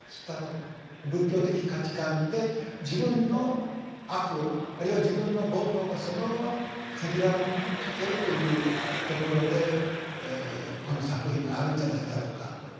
仏教的価値観で自分の悪をあるいは自分の煩悩がそのまま赤裸々にね書けるというところでこの作品があるんじゃないだろうかと。